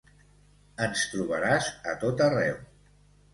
Ens trobaràs a tot arreu.